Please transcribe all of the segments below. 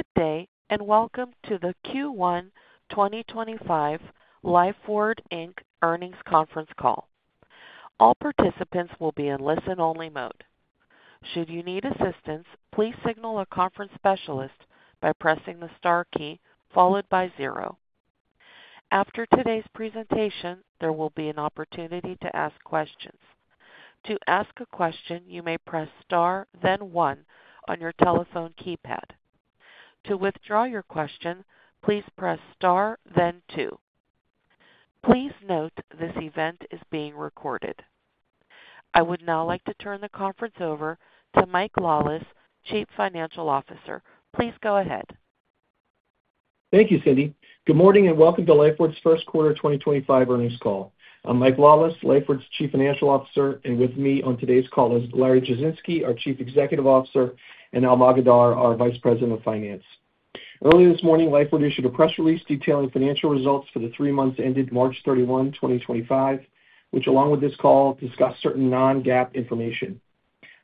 Good day and welcome to the Q1 2025 Lifeward Inc earnings conference call. All participants will be in listen-only mode. Should you need assistance, please signal a conference specialist by pressing the star key followed by zero. After today's presentation, there will be an opportunity to ask questions. To ask a question, you may press star, then one on your telephone keypad. To withdraw your question, please press star, then two. Please note this event is being recorded. I would now like to turn the conference over to Mike Lawless, Chief Financial Officer. Please go ahead. Thank you, Cindy. Good morning and welcome to Lifeward's first quarter 2025 earnings call. I'm Mike Lawless, Lifeward's Chief Financial Officer, and with me on today's call is Larry Jasinski, our Chief Executive Officer, and Almog Adar, our Vice President of Finance. Earlier this morning, Lifeward issued a press release detailing Financial results for the three months ended March 31, 2025, which, along with this call, discussed certain non-GAAP information.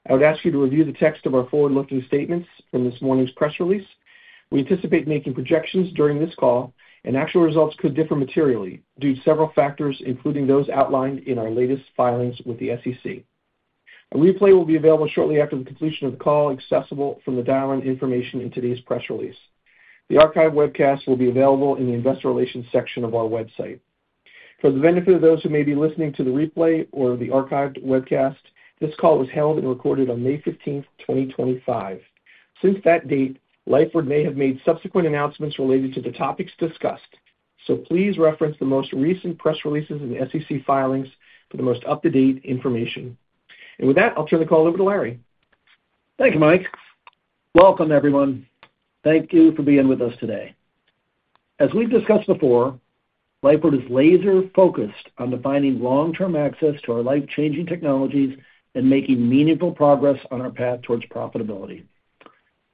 I would ask you to review the text of our forward-looking statements from this morning's press release. We anticipate making projections during this call, and actual results could differ materially due to several factors, including those outlined in our latest filings with the SEC. A replay will be available shortly after the completion of the call, accessible from the dialogue information in today's press release. The archived webcast will be available in the Investor Relations section of our website. For the benefit of those who may be listening to the replay or the archived webcast, this call was held and recorded on May 15, 2025. Since that date, Lifeward may have made subsequent announcements related to the topics discussed, so please reference the most recent press releases and SEC Filings for the most up-to-date information. With that, I'll turn the call over to Larry. Thank you, Mike. Welcome, everyone. Thank you for being with us today. As we've discussed before, Lifeward is laser-focused on defining long-term access to our life-changing Technologies and making meaningful progress on our path towards profitability.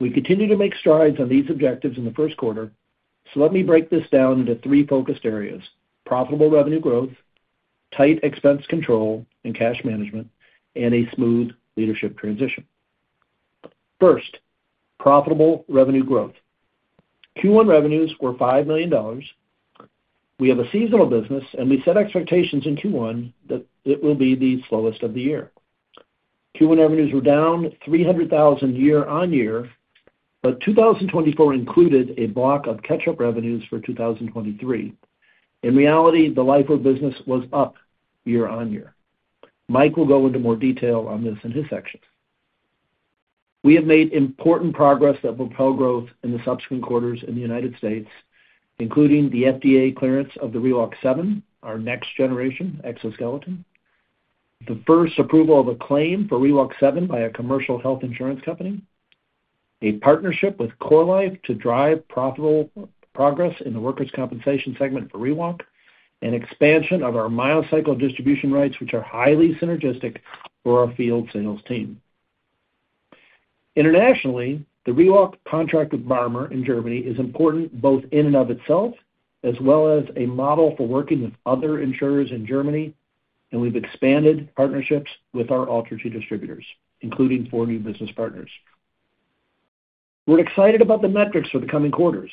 We continue to make strides on these objectives in the first quarter, so let me break this down into three focused areas: profitable Revenue Growth, tight Expense Control and Cash Management, and a smooth Leadership Transition. First, profitable Revenue Growth. Q1 revenues were $5 million. We have a seasonal business, and we set expectations in Q1 that it will be the slowest of the year. Q1 revenues were down $300,000 year-on-year, but 2024 included a block of catch-up revenues for 2023. In reality, the Lifeward Business was up year-on-year. Mike will go into more detail on this in his section. We have made important progress that will propel growth in the subsequent quarters in the U.S., including the FDA clearance of the ReWalk 7, our next-generation Exoskeleton, the first approval of a claim for ReWalk 7 by a commercial Health Insurance Company, a partnership with CorLife to drive profitable progress in the workers' compensation segment for ReWalk, and expansion of our MyoCycle distribution rights, which are highly synergistic for our field Sales Team. Internationally, the ReWalk contract with BARMER in Germany is important both in and of itself as well as a model for working with other Insurers in Germany, and we have expanded partnerships with our alternate distributors, including four new Business Partners. We are excited about the metrics for the coming quarters.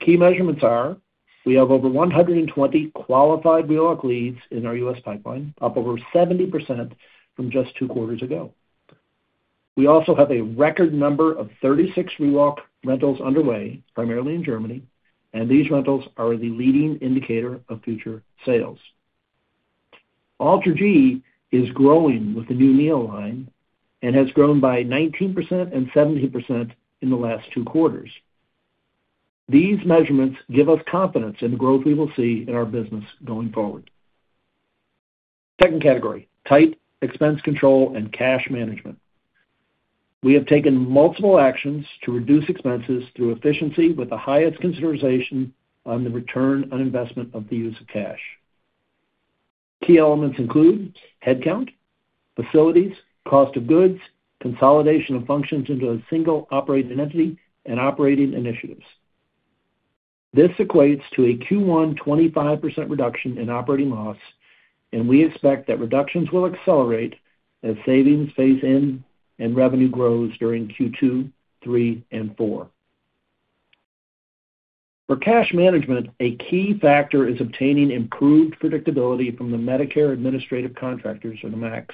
Key measurements are we have over 120 qualified ReWalk leads in our U.S. pipeline, up over 70% from just two quarters ago. We also have a record number of 36 ReWalk Rentals underway, primarily in Germany, and these rentals are the leading indicator of future sales. AlterG is growing with the new NEO line and has grown by 19% and 70% in the last two quarters. These measurements give us confidence in the growth we will see in our business going forward. Second category: tight Expense Control and Cash Management. We have taken multiple actions to reduce expenses through efficiency with the highest consideration on the return on investment of the use of cash. Key elements include headcount, facilities, cost of goods, consolidation of functions into a single operating entity, and operating initiatives. This equates to a Q1 25% reduction in operating loss, and we expect that reductions will accelerate as savings phase in and revenue grows during Q2, Q3, and Q4. For Cash Management, a key factor is obtaining improved predictability from the Medicare Administrative Contractors, or the MACs.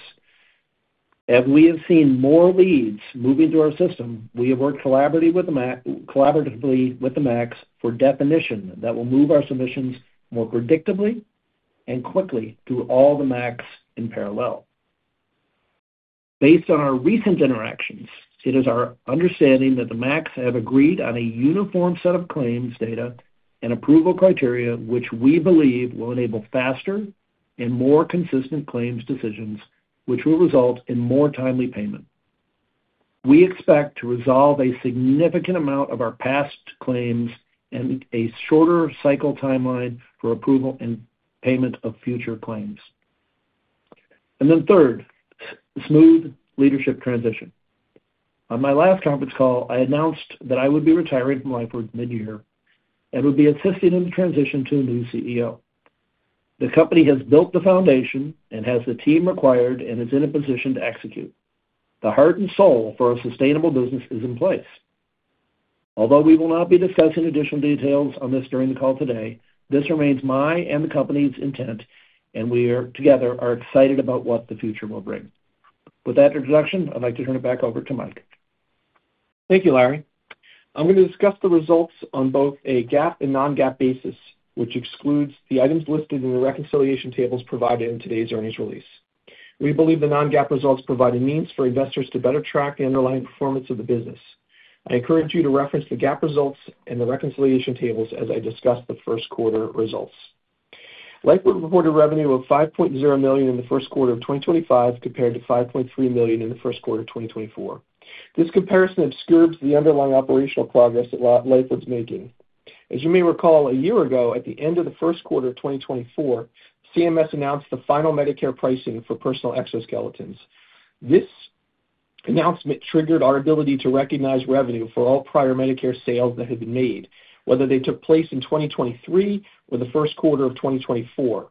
As we have seen more leads moving through our system, we have worked collaboratively with the MACs for definition that will move our submissions more predictably and quickly through all the MACs in parallel. Based on our recent interactions, it is our understanding that the MACs have agreed on a uniform set of claims data and approval criteria, which we believe will enable faster and more consistent claims decisions, which will result in more timely payment. We expect to resolve a significant amount of our past claims and a shorter cycle timeline for approval and payment of Future Claims. Third, smooth leadership transition. On my last conference call, I announced that I would be retiring from Lifeward midyear and would be assisting in the transition to a new CEO. The company has built the foundation and has the Team required and is in a position to execute. The heart and soul for a sustainable business is in place. Although we will not be discussing additional details on this during the call today, this remains my and the company's intent, and we together are excited about what the future will bring. With that introduction, I'd like to turn it back over to Mike. Thank you, Larry. I'm going to discuss the results on both a GAAP and non-GAAP basis, which excludes the items listed in the reconciliation tables provided in today's earnings release. We believe the non-GAAP results provide a means for Investors to better track the underlying performance of the business. I encourage you to reference the GAAP results and the reconciliation tables as I discuss the first quarter results. Lifeward reported revenue of $5.0 million in the first quarter of 2025 compared to $5.3 million in the first quarter of 2024. This comparison obscures the underlying Operational progress that Lifeward's making. As you may recall, a year ago, at the end of the first quarter of 2024, CMS announced the Final Medicare pricing for Personal Exoskeletons. This announcement triggered our ability to recognize revenue for all prior Medicare sales that had been made, whether they took place in 2023 or the first quarter of 2024.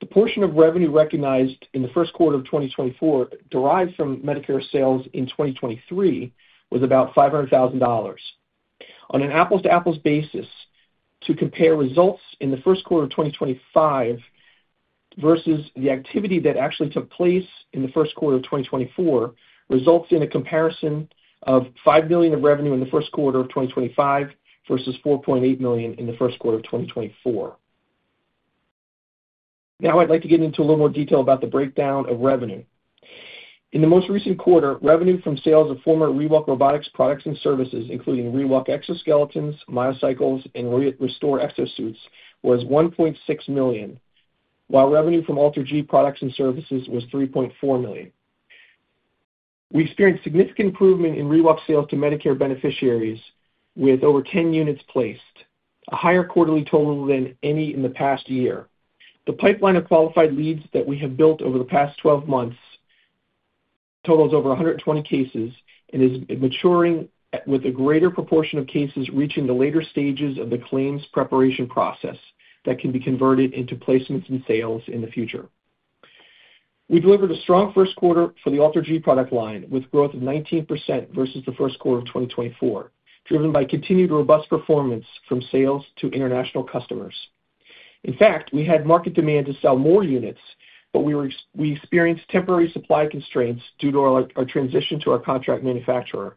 The portion of revenue recognized in the first quarter of 2024 derived from Medicare sales in 2023 was about $500,000. On an apples-to-apples basis, to compare results in the first quarter of 2025 versus the activity that actually took place in the first quarter of 2024 results in a comparison of $5 million of revenue in the first quarter of 2025 versus $4.8 million in the first quarter of 2024. Now, I'd like to get into a little more detail about the breakdown of revenue. In the most recent quarter, revenue from sales of former ReWalk Robotics Products and services, including ReWalk Exoskeletons, MyoCycles, and ReStore Exo-Suits, was $1.6 million, while revenue from AlterG Products and services was $3.4 million. We experienced significant improvement in ReWalk sales to Medicare beneficiaries with over 10 units placed, a higher quarterly total than any in the past year. The pipeline of qualified leads that we have built over the past 12 months totals over 120 cases and is maturing with a greater proportion of cases reaching the later stages of the claims preparation process that can be converted into placements and sales in the future. We delivered a strong first quarter for the AlterG Product line with growth of 19% versus the first quarter of 2024, driven by continued robust performance from sales to international customers. In fact, we had market demand to sell more units, but we experienced temporary supply constraints due to our transition to our contract manufacturer.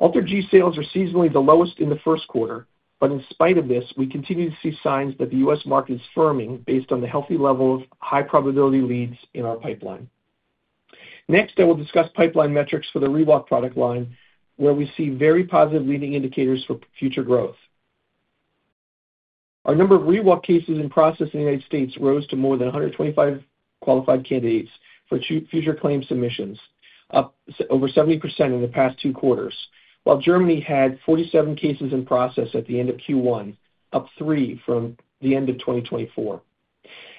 AlterG sales are seasonally the lowest in the first quarter, but in spite of this, we continue to see signs that the U.S. Market is firming based on the healthy level of high-probability leads in our pipeline. Next, I will discuss pipeline metrics for the ReWalk Product line, where we see very positive leading indicators for Future growth. Our number of ReWalk cases in process in the U.S. rose to more than 125 qualified candidates for future claim submissions, up over 70% in the past two quarters, while Germany had 47 cases in process at the end of Q1, up three from the end of 2024.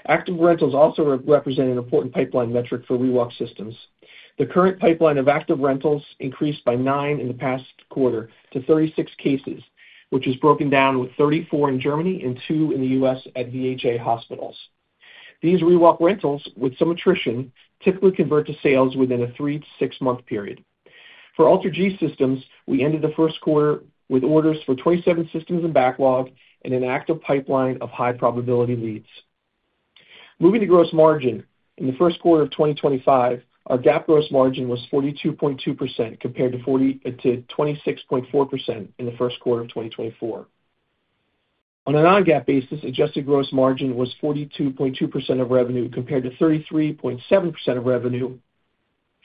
Active rentals also represent an important pipeline metric for ReWalk systems. The current pipeline of active rentals increased by nine in the past quarter to 36 cases, which is broken down with 34 in Germany and two in the U.S. at VHA hospitals. These ReWalk rentals, with some attrition, typically convert to sales within a three to six-month period. For AlterG systems, we ended the first quarter with orders for 27 systems in backlog and an active pipeline of high-probability leads. Moving to Gross Margin, in the first quarter of 2025, our GAAP Gross Margin was 42.2% compared to 26.4% in the first quarter of 2024. On a non-GAAP basis, Adjusted Gross Margin was 42.2% of revenue compared to 33.7% of revenue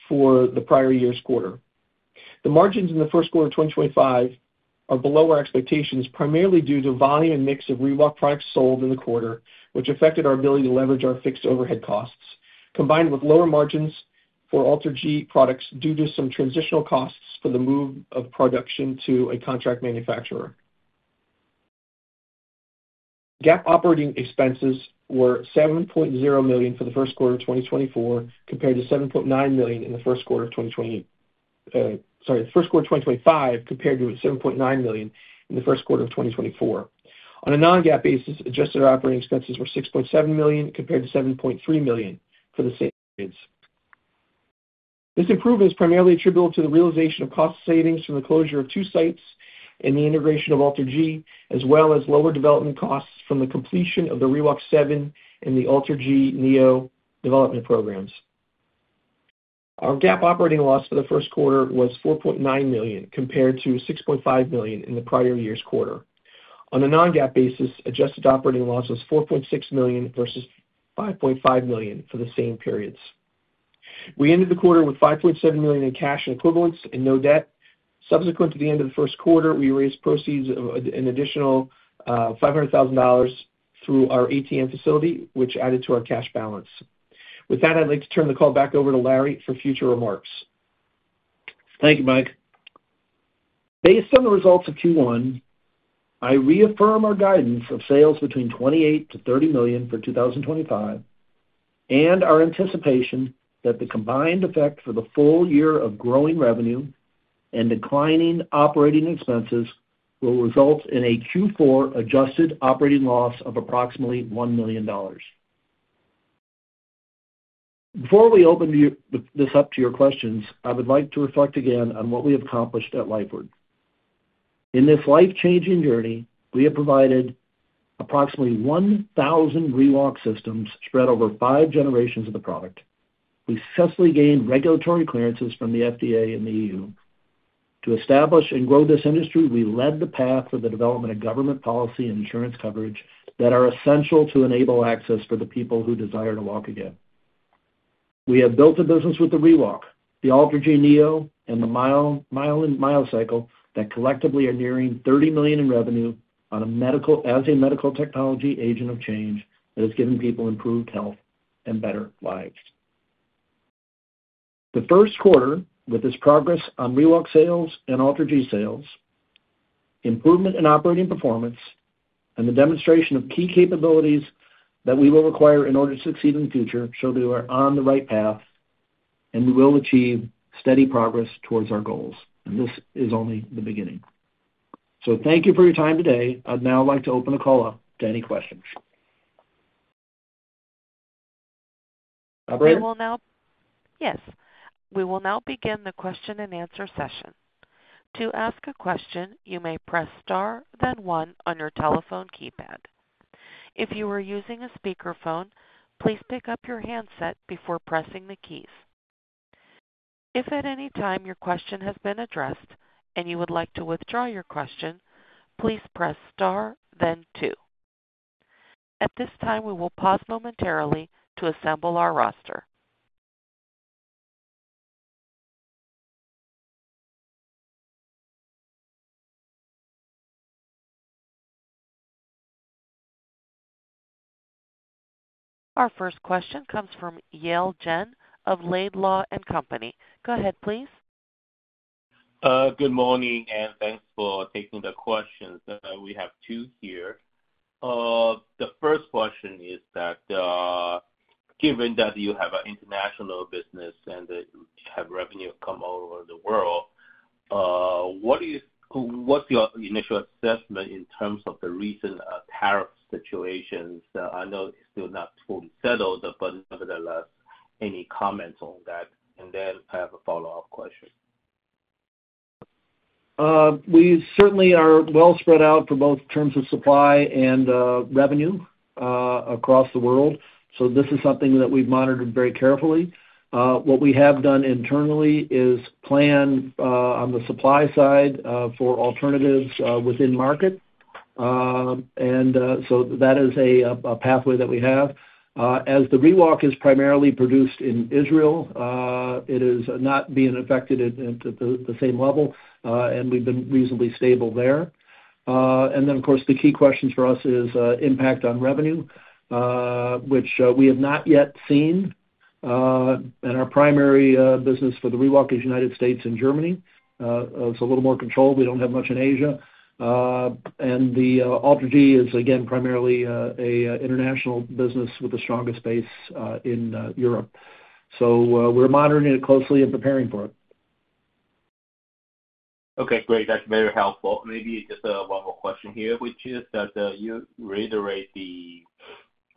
for the prior year's quarter. The Margins in the first quarter of 2025 are below our expectations primarily due to volume and mix of ReWalk Products sold in the quarter, which affected our ability to leverage our Fixed overhead costs, combined with lower Margins for AlterG Products due to some transitional costs for the move of Production to a Contract Manufacturer. GAAP Operating Expenses were $7.0 million for the first quarter of 2024 compared to $7.9 million in the first quarter of 2024. On a non-GAAP basis, Adjusted Operating Expenses were $6.7 million compared to $7.3 million for the same periods. This improvement is primarily attributable to the realization of Cost savings from the closure of two sites and the integration of AlterG, as well as lower development costs from the completion of the ReWalk 7 and the AlterG Neo development programs. Our GAAP operating loss for the first quarter was $4.9 million compared to $6.5 million in the prior year's quarter. On a non-GAAP basis, Adjusted Operating Loss was $4.6 million versus $5.5 million for the same periods. We ended the quarter with $5.7 million in cash and equivalents and no debt. Subsequent to the end of the first quarter, we raised proceeds of an additional $500,000 through our ATM Facility, which added to our Cash balance. With that, I'd like to turn the call back over to Larry for future remarks. Thank you, Mike. Based on the results of Q1, I reaffirm our guidance of sales between $28-$30 million for 2025 and our anticipation that the combined effect for the full year of growing revenue and declining operating expenses will result in a Q4 Adjusted Operating Loss of approximately $1 million. Before we open this up to your questions, I would like to reflect again on what we have accomplished at Lifeward. In this life-changing journey, we have provided approximately 1,000 ReWalk systems spread over five generations of the product. We successfully gained regulatory clearances from the FDA and the EU. To establish and grow this industry, we led the path for the development of Government Policy and Insurance Coverage that are essential to enable access for the people who desire to walk again. We have built a business with the ReWalk, the AlterG NEO, and the MYOLYN MyoCycle that collectively are nearing $30 million in revenue as a Medical Technology agent of change that has given people improved health and better lives. The first quarter, with this progress on ReWalk sales and AlterG sales, improvement in Operating performance, and the demonstration of key capabilities that we will require in order to succeed in the future, shows we are on the right path and we will achieve steady progress towards our goals. This is only the beginning. Thank you for your time today. I'd now like to open a call up to any questions. We will now. Yes. We will now begin the question and answer session. To ask a question, you may press star, then one on your telephone keypad. If you are using a speakerphone, please pick up your handset before pressing the keys. If at any time your question has been addressed and you would like to withdraw your question, please press star, then two. At this time, we will pause momentarily to assemble our roster. Our first question comes from Yale Jen of Laidlaw & Company. Go ahead, please. Good morning and thanks for taking the questions. We have two here. The first question is that given that you have an international business and you have revenue come all over the world, what's your initial assessment in terms of the recent tariff situations? I know it's still not fully settled, but nevertheless, any comments on that? I have a follow-up question. We certainly are well spread out for both terms of supply and revenue across the world. This is something that we've monitored very carefully. What we have done internally is plan on the supply side for alternatives within market. That is a pathway that we have. As the ReWalk is primarily produced in Israel, it is not being affected at the same level, and we've been reasonably stable there. Of course, the key question for us is impact on revenue, which we have not yet seen. Our primary business for the ReWalk is United States and Germany. It's a little more controlled. We do not have much in Asia. The AlterG is, again, primarily an International Business with the strongest base in Europe. We are monitoring it closely and preparing for it. Okay. Great. That's very helpful. Maybe just one more question here, which is that you reiterate the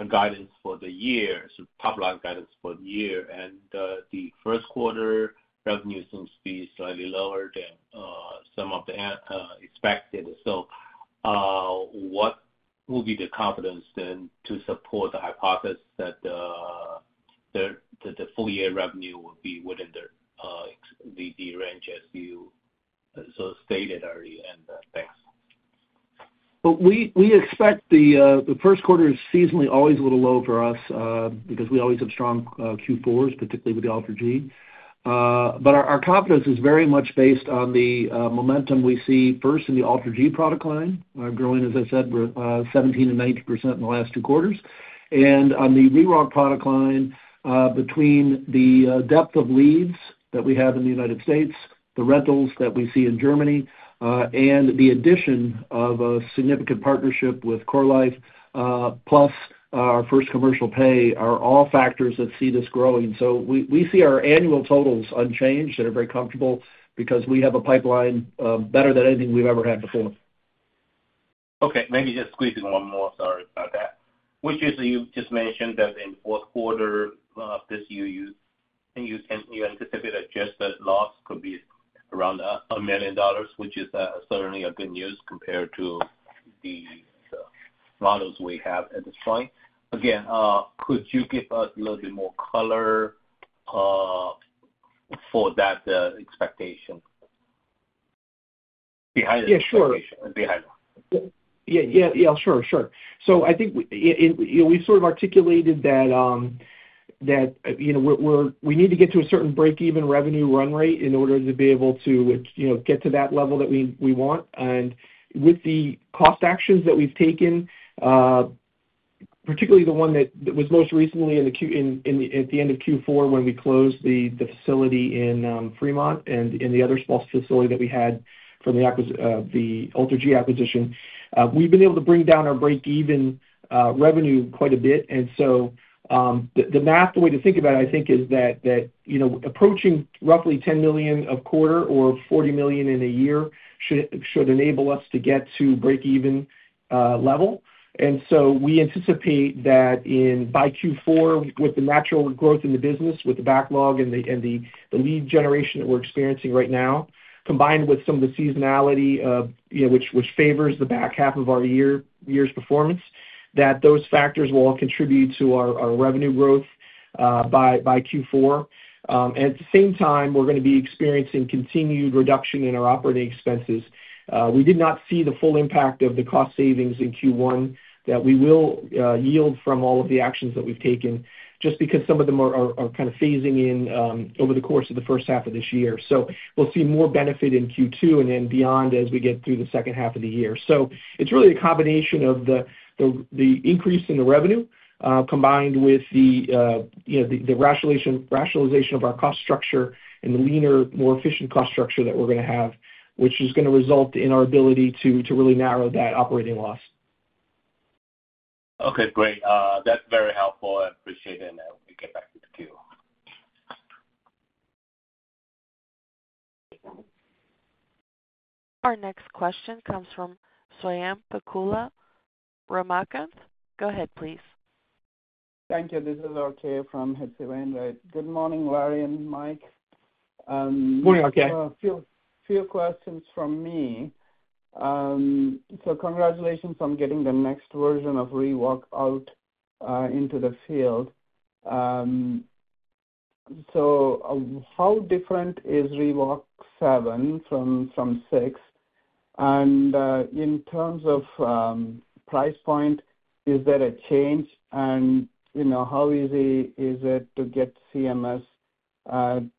guidance for the year, some top-line guidance for the year, and the first quarter revenue seems to be slightly lower than some of the expected. What will be the confidence then to support the hypothesis that the full-year revenue will be within the range as you stated earlier? And thanks. We expect the first quarter is seasonally always a little low for us because we always have strong Q4s, particularly with the AlterG. Our confidence is very much based on the momentum we see first in the AlterG Product line, growing, as I said, 17%-90% in the last two quarters. On the ReWalk Product line, between the depth of leads that we have in the United States, the Rentals that we see in Germany, and the addition of a significant partnership with CorLife plus our first Commercial pay, are all factors that see this growing. We see our annual totals unchanged. They are very comfortable because we have a pipeline better than anything we have ever had before. Okay. Maybe just squeezing one more. Sorry about that. Which is you just mentioned that in the fourth quarter of this year, you anticipate Adjusted Loss could be around $1 million, which is certainly good news compared to the models we have at this point. Again, could you give us a little bit more color for that expectation? Yeah, sure. So I think we sort of articulated that we need to get to a certain break-even revenue run rate in order to be able to get to that level that we want. With the cost actions that we've taken, particularly the one that was most recently at the end of Q4 when we closed the facility in Fremont and the other small facility that we had from the AlterG Acquisition, we've been able to bring down our break-even revenue quite a bit. The math, the way to think about it, I think, is that approaching roughly $10 million a quarter or $40 million in a year should enable us to get to break-even level. We anticipate that by Q4, with the Natural growth in the Business, with the backlog and the Lead generation that we're experiencing right now, combined with some of the seasonality which favors the back half of our year's performance, those factors will all contribute to our revenue growth by Q4. At the same time, we're going to be experiencing continued reduction in our Operating expenses. We did not see the full impact of the Cost savings in Q1 that we will yield from all of the actions that we've taken just because some of them are kind of phasing in over the course of the first half of this year. We'll see more benefit in Q2 and then beyond as we get through the second half of the year. It is really a combination of the increase in the revenue combined with the rationalization of our cost structure and the leaner, more efficient cost structure that we are going to have, which is going to result in our ability to really narrow that Operating loss. Okay. Great. That's very helpful. I appreciate it. We'll get back to Q2. Our next question comes from Swayampakula Ramakanth. Go ahead, please. Thank you. This is RK from H.C. Wainwright. Good morning, Larry and Mike. Morning, RK. A few questions from me. Congratulations on getting the next version of ReWalk out into the field. How different is ReWalk 7 from 6? In terms of price point, is there a change? How easy is it to get CMS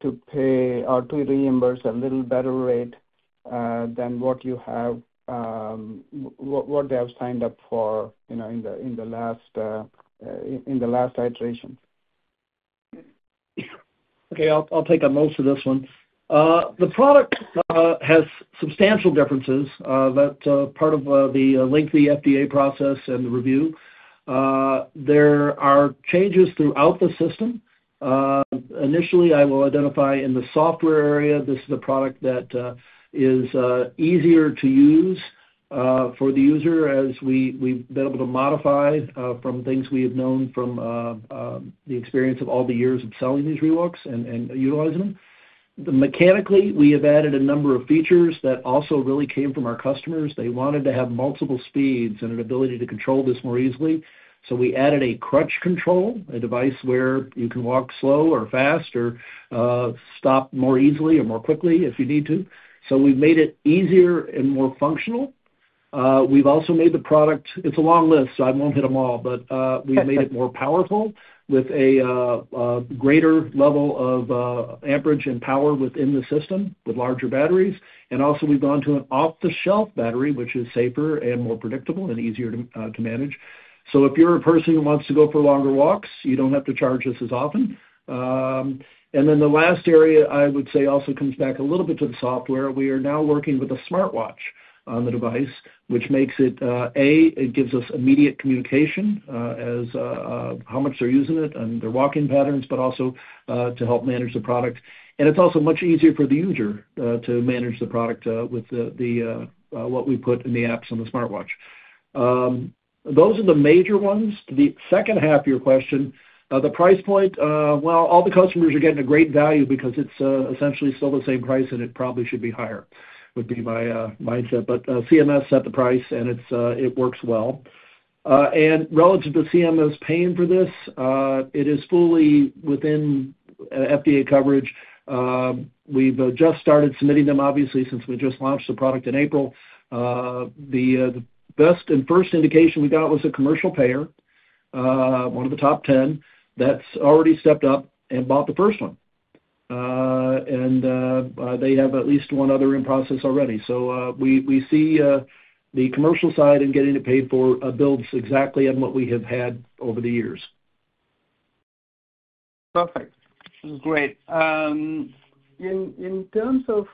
to pay or to reimburse a little better rate than what you have, what they have signed up for in the last iteration? Okay. I'll take most of this one. The product has substantial differences that are part of the lengthy FDA process and the review. There are changes throughout the system. Initially, I will identify in the software area, this is a product that is easier to use for the user as we've been able to modify from things we have known from the experience of all the years of selling these ReWalks and utilizing them. Mechanically, we have added a number of features that also really came from our customers. They wanted to have multiple speeds and an ability to control this more easily. We added a crutch control, a device where you can walk slow or fast or stop more easily or more quickly if you need to. We have made it easier and more functional. We have also made the product—it is a long list, so I will not hit them all—but we have made it more powerful with a greater level of amperage and power within the system with larger Batteries. We have gone to an off-the-shelf Battery, which is safer and more predictable and easier to manage. If you are a person who wants to go for longer walks, you do not have to charge as often. The last area I would say also comes back a little bit to the Software. We are now working with a Smartwatch on the Device, which makes it, A, it gives us immediate communication as to how much they are using it and their Walking patterns, but also to help manage the product. It is also much easier for the user to manage the product with what we put in the Apps on the Smartwatch. Those are the major ones. The second half of your question, the price point, all the customers are getting a great value because it is essentially still the same price and it probably should be higher, would be my mindset. CMS set the price and it works well. Relative to CMS paying for this, it is fully within FDA coverage. We have just started submitting them, obviously, since we just launched the product in April. The best and first indication we got was a Commercial payer, one of the top 10, that has already stepped up and bought the first one. They have at least one other in process already. We see the Commercial side and getting it paid for builds exactly on what we have had over the years. Perfect. This is great. In terms of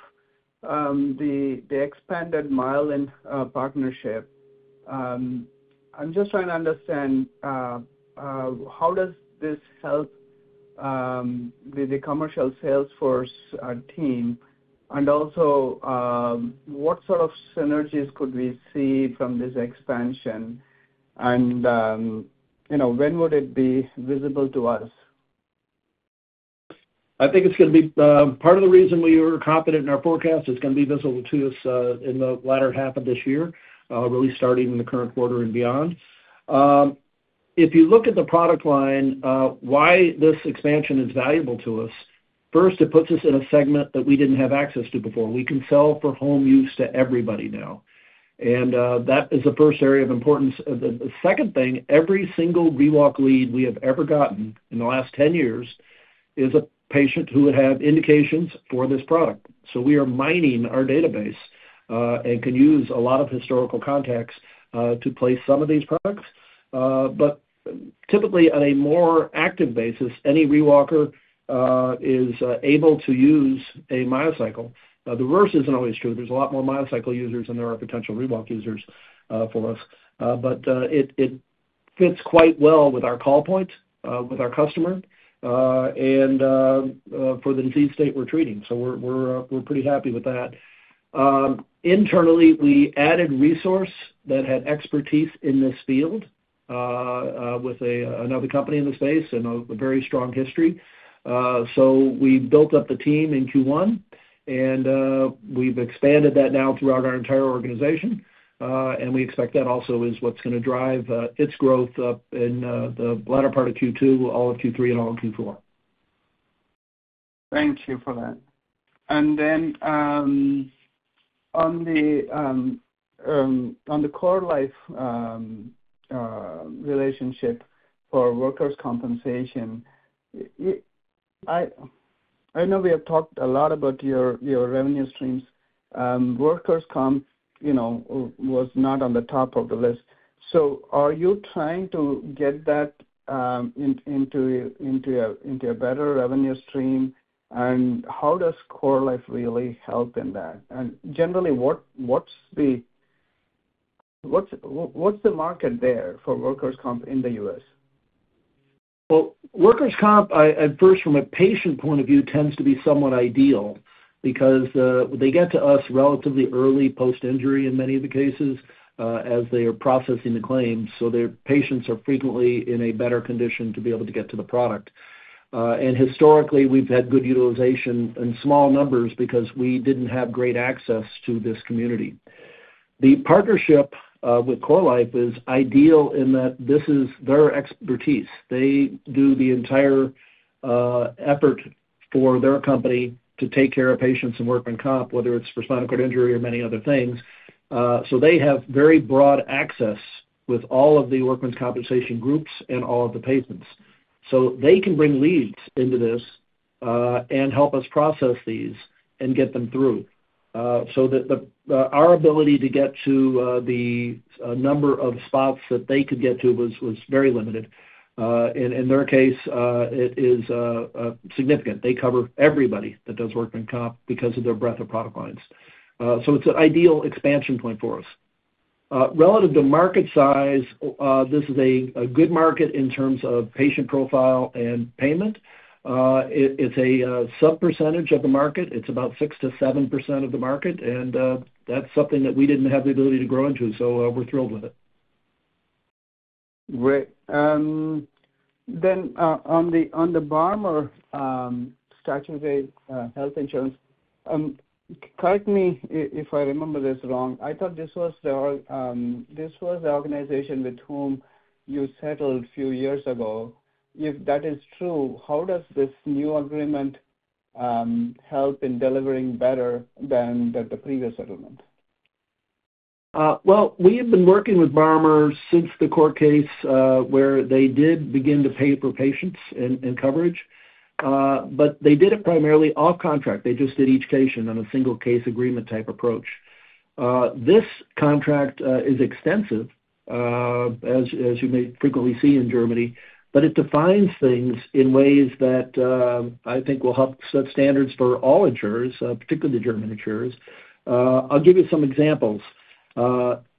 the expanded MYOLYN partnership, I'm just trying to understand how does this help the Commercial Salesforce Team? Also, what sort of synergies could we see from this expansion? When would it be visible to us? I think it's going to be part of the reason we were confident in our forecast. It's going to be visible to us in the latter half of this year, really starting in the current quarter and beyond. If you look at the product line, why this expansion is valuable to us, first, it puts us in a segment that we didn't have access to before. We can sell for home use to everybody now. That is the first area of importance. The second thing, every single ReWalk lead we have ever gotten in the last 10 years is a patient who would have indications for this product. We are mining our database and can use a lot of historical contacts to place some of these products. Typically, on a more active basis, any ReWalker is able to use a MyoCycle. The reverse isn't always true. There is a lot more MyoCycle users than there are potential ReWalk users for us. It fits quite well with our call point, with our customer, and for the Disease state we are treating. We are pretty happy with that. Internally, we added resource that had expertise in this field with another company in the space and a very strong history. We built up the Team in Q1, and we have expanded that now throughout our entire Organization. We expect that also is what is going to drive its growth up in the latter part of Q2, all of Q3, and all of Q4. Thank you for that. Then on the CorLife relationship for workers' compensation, I know we have talked a lot about your revenue streams. Workers' comp was not on the top of the list. Are you trying to get that into a better revenue stream? How does CorLife really help in that? Generally, what's the market there for workers' comp in the U.S.? Workers' comp, at first, from a patient point of view, tends to be somewhat ideal because they get to us relatively early post-injury in many of the cases as they are processing the claims. Their patients are frequently in a better condition to be able to get to the product. Historically, we've had good utilization in small numbers because we didn't have great access to this community. The partnership with CorLife is ideal in that this is their expertise. They do the entire effort for their Company to take care of patients and Workers' comp, whether it's for Spinal Cord Injury or many other things. They have very broad access with all of the Workers' compensation groups and all of the patients. They can bring leads into this and help us process these and get them through. Our ability to get to the number of spots that they could get to was very limited. In their case, it is significant. They cover everybody that does Workers' comp because of their breadth of product lines. It is an ideal expansion point for us. Relative to Market size, this is a good market in terms of patient profile and payment. It is a sub-percentage of the market. It is about 6-7% of the market. That is something that we did not have the ability to grow into. We are thrilled with it. Great. On the BARMER Strategic Health Insurance, correct me if I remember this wrong. I thought this was the organization with whom you settled a few years ago. If that is true, how does this new Agreement help in delivering better than the previous Settlement? We have been working with BARMER since the court case where they did begin to pay for patients and coverage. They did it primarily off contract. They just did each case in a single Case Agreement type approach. This Contract is extensive, as you may frequently see in Germany, but it defines things in ways that I think will help set standards for all Insurers, particularly the German Insurers. I'll give you some examples.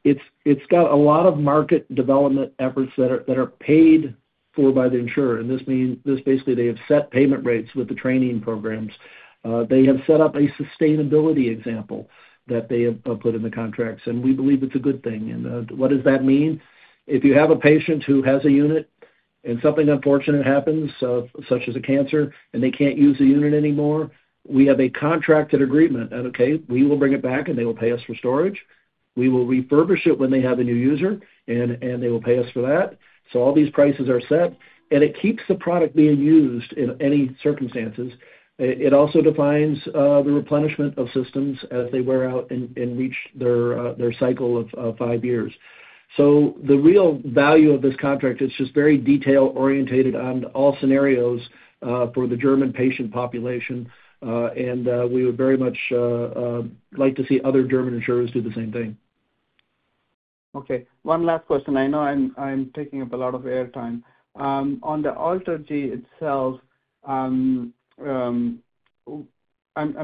It's got a lot of Market development efforts that are paid for by the Insurer. This basically means they have set payment rates with the Training programs. They have set up a sustainability example that they have put in the contracts. We believe it's a good thing. What does that mean? If you have a patient who has a unit and something unfortunate happens, such as a Cancer, and they can't use the unit anymore, we have a contracted Agreement that, okay, we will bring it back and they will pay us for storage. We will refurbish it when they have a new user, and they will pay us for that. All these prices are set. It keeps the product being used in any circumstances. It also defines the replenishment of systems as they wear out and reach their cycle of five years. The real value of this Contract is just very detail-orientated on all scenarios for the German Patient Population. We would very much like to see other German Insurers do the same thing. Okay. One last question. I know I'm taking up a lot of airtime. On the AlterG itself, I'm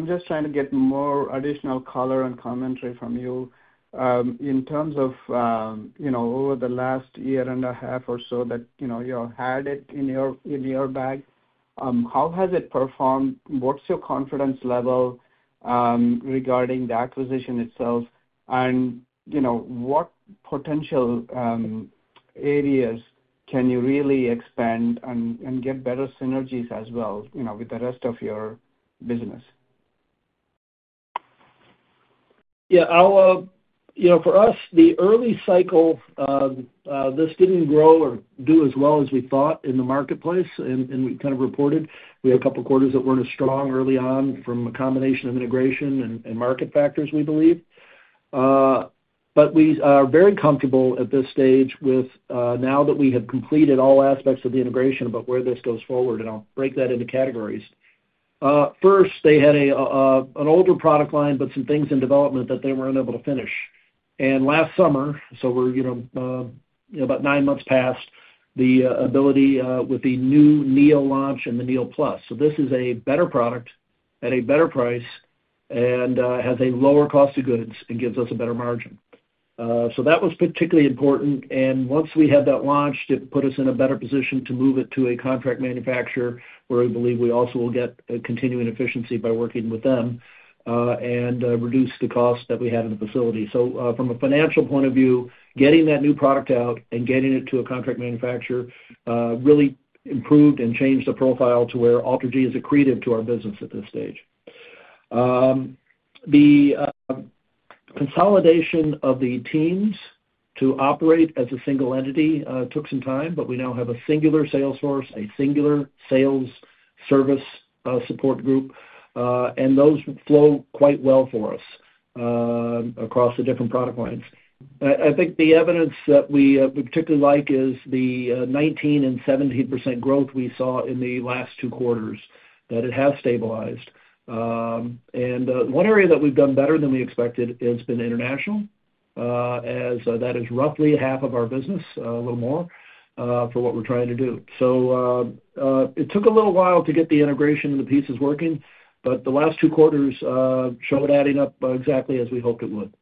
just trying to get more additional color and commentary from you. In terms of over the last year and a half or so that you had it in your bag, how has it performed? What's your confidence level regarding the acquisition itself? What potential areas can you really expand and get better synergies as well with the rest of your business? Yeah. For us, the early cycle, this didn't grow or do as well as we thought in the Marketplace. We kind of reported we had a couple of quarters that weren't as strong early on from a combination of integration and market factors, we believe. We are very comfortable at this stage now that we have completed all aspects of the integration about where this goes forward. I'll break that into categories. First, they had an older product line, but some things in development that they weren't able to finish. Last summer, we are about nine months past the ability with the new NEO Launch and the NEO Plus. This is a better product at a better price and has a lower cost of goods and gives us a better Margin. That was particularly important. Once we had that launched, it put us in a better position to move it to a Contract Manufacturer where we believe we also will get continuing efficiency by working with them and reduce the cost that we have in the facility. From a Financial point of view, getting that new product out and getting it to a Contract Manufacturer really improved and changed the profile to where AlterG is accretive to our Business at this stage. The consolidation of the Teams to operate as a single entity took some time, but we now have a singular sales force, a singular sales service support group. Those flow quite well for us across the different product lines. I think the evidence that we particularly like is the 19% and 17% growth we saw in the last two quarters, that it has stabilized. One area that we have done better than we expected has been International, as that is roughly half of our business, a little more for what we are trying to do. It took a little while to get the integration of the pieces working, but the last two quarters showed adding up exactly as we hoped it would.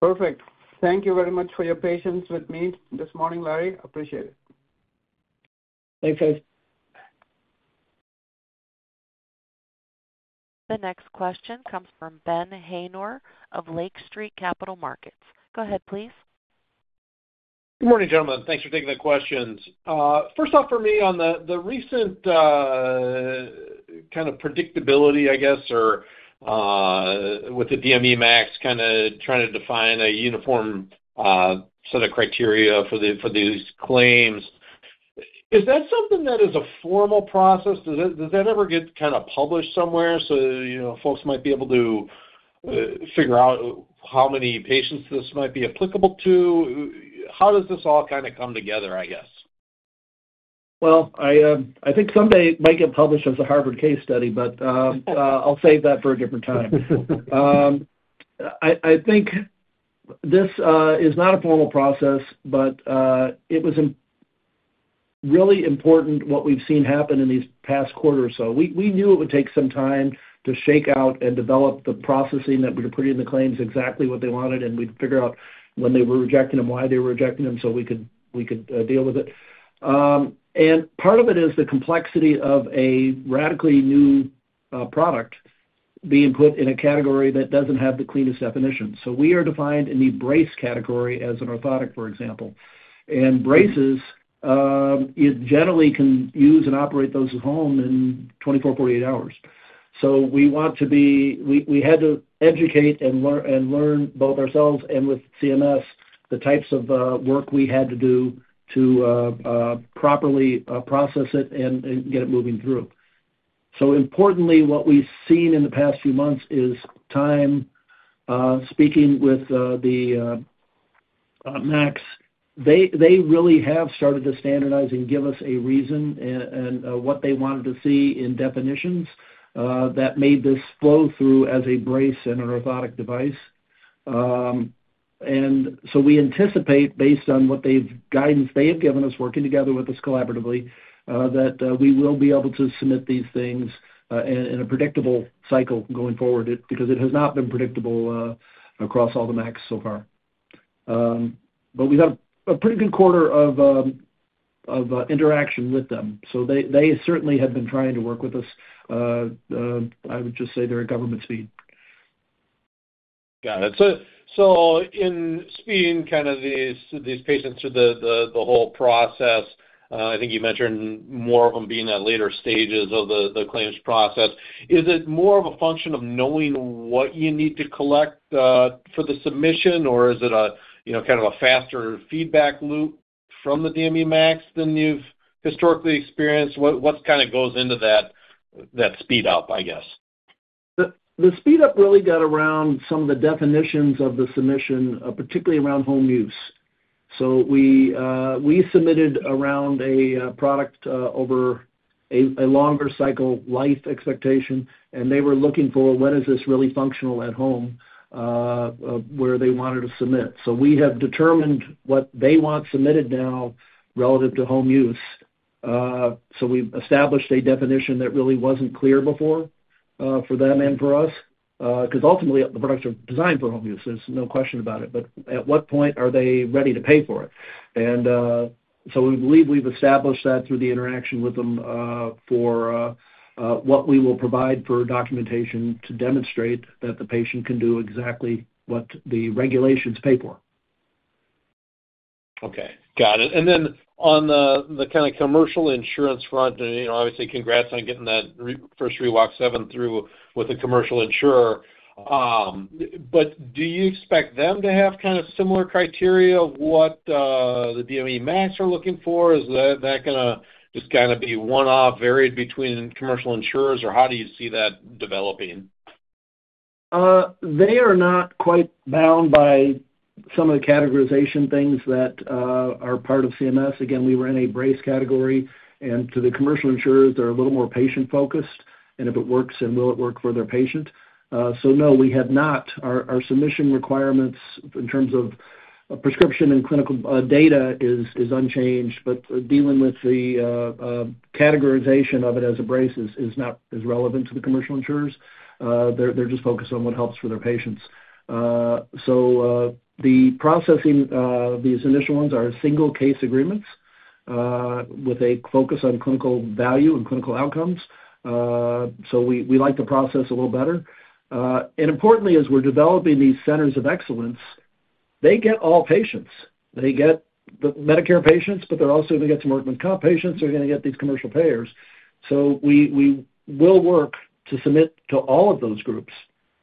Perfect. Thank you very much for your patience with me this morning, Larry. Appreciate it. Thanks, guys. The next question comes from Ben Haynor of Lake Street Capital Markets. Go ahead, please. Good morning, gentlemen. Thanks for taking the questions. First off, for me, on the recent kind of predictability, I guess, or with the DME MACs kind of trying to define a uniform set of criteria for these claims, is that something that is a Formal process? Does that ever get kind of published somewhere so folks might be able to figure out how many patients this might be applicable to? How does this all kind of come together, I guess? I think someday it might get published as a Harvard Case Study, but I'll save that for a different time. I think this is not a Formal process, but it was really important what we've seen happen in these past quarter or so. We knew it would take some time to shake out and develop the processing that we were putting in the claims exactly what they wanted, and we'd figure out when they were rejecting them, why they were rejecting them so we could deal with it. Part of it is the complexity of a radically new product being put in a category that doesn't have the cleanest definition. We are defined in the brace category as an Orthotic, for example. Braces, you generally can use and operate those at home in 24-48 hours. We want to be, we had to educate and learn both ourselves and with CMS the types of work we had to do to properly process it and get it moving through. Importantly, what we've seen in the past few months is time speaking with the MACs. They really have started to standardize and give us a reason and what they wanted to see in definitions that made this flow through as a brace and an Orthotic Device. We anticipate, based on what guidance they have given us, working together with us collaboratively, that we will be able to submit these things in a predictable cycle going forward because it has not been predictable across all the MACs so far. We've had a pretty good quarter of interaction with them. They certainly have been trying to work with us. I would just say they're at government speed. Got it. In speeding kind of these patients through the whole process, I think you mentioned more of them being at later stages of the claims process. Is it more of a function of knowing what you need to collect for the submission, or is it kind of a faster feedback loop from the DME MACs than you've historically experienced? What kind of goes into that speed up, I guess? The speed up really got around some of the definitions of the submission, particularly around home use. We submitted around a product over a longer cycle life expectation. They were looking for, when is this really Functional at home where they wanted to submit? We have determined what they want submitted now relative to home use. We have established a definition that really was not clear before for them and for us because ultimately, the products are designed for home use. There is no question about it. At what point are they ready to pay for it? We believe we have established that through the interaction with them for what we will provide for documentation to demonstrate that the patient can do exactly what the regulations pay for. Okay. Got it. And then on the kind of Commercial Insurance front, obviously, congrats on getting that first ReWalk 7 through with a Commercial Insurer. But do you expect them to have kind of similar criteria of what the DME MACs are looking for? Is that going to just kind of be one-off, varied between Commercial Insurers, or how do you see that developing? They are not quite bound by some of the categorization things that are part of CMS. Again, we were in a brace category. To the Commercial Insurers, they're a little more patient-focused. If it works, then will it work for their patient? No, we have not. Our submission requirements in terms of Prescription and Clinical Data is unchanged. Dealing with the categorization of it as a brace is not as relevant to the Commercial Insurers. They're just focused on what helps for their patients. The processing, these initial ones are single Case Agreements with a focus on Clinical value and Clinical outcomes. We like the process a little better. Importantly, as we're developing these Centers of Excellence, they get all patients. They get the Medicare patients, but they're also going to get some Workers' comp patients. They're going to get these Commercial payers. We will work to submit to all of those groups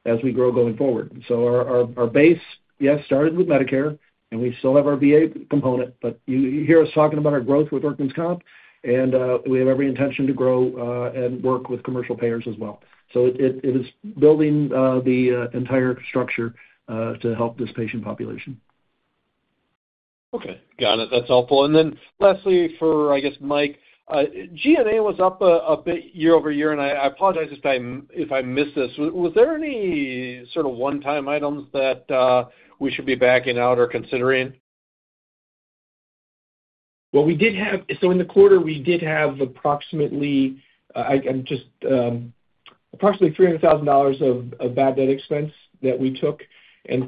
as we grow going forward. Our base, yes, started with Medicare, and we still have our VA component. You hear us talking about our growth with workman's comp, and we have every intention to grow and work with commercial payers as well. It is building the entire structure to help this patient population. Okay. Got it. That's helpful. Lastly, for I guess, Mike, G&A was up a bit year over year, and I apologize if I missed this. Was there any sort of one-time items that we should be backing out or considering? In the quarter, we did have approximately $300,000 of bad debt expense that we took.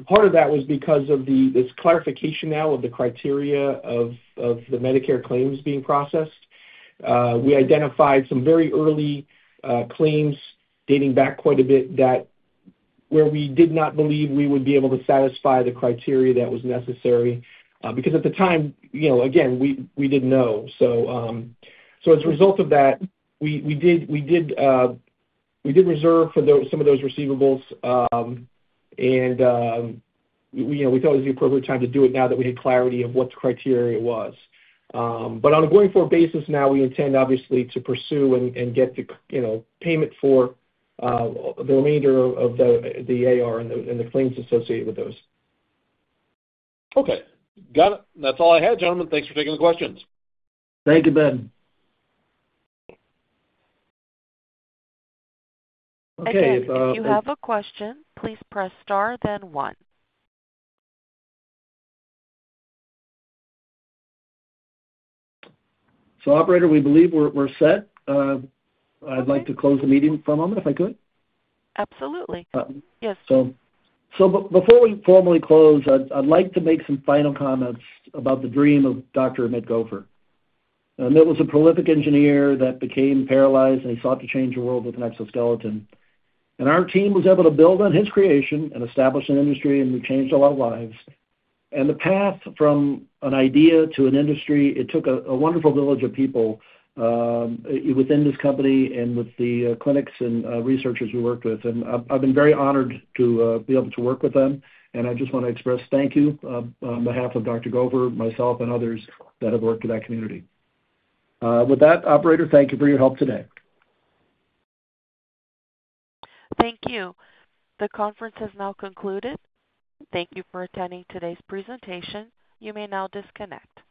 Part of that was because of this clarification now of the criteria of the Medicare claims being processed. We identified some very early claims dating back quite a bit where we did not believe we would be able to satisfy the criteria that was necessary because at the time, again, we did not know. As a result of that, we did reserve for some of those receivables. We thought it was the appropriate time to do it now that we had clarity of what the criteria was. On a going-forward basis, now we intend, obviously, to pursue and get the payment for the remainder of the AR and the claims associated with those. Okay. Got it. That's all I had, gentlemen. Thanks for taking the questions. Thank you, Ben. Okay. If you have a question, please press star, then one. Operator, we believe we're set. I'd like to close the meeting for a moment if I could. Absolutely. Yes. Before we formally close, I'd like to make some final comments about the dream of Dr. Amit Goffer. Amit was a Prolific Engineer that became Paralyzed, and he sought to change the world with an Exoskeleton. Our team was able to build on his creation and establish an Industry, and we changed a lot of lives. The path from an idea to an Industry took a wonderful village of people within this Company and with the Clinics and Researchers we worked with. I've been very honored to be able to work with them. I just want to express thank you on behalf of Dr. Goffer, myself, and others that have worked for that community. With that, operator, thank you for your help today. Thank you. The conference has now concluded. Thank you for attending today's presentation. You may now disconnect.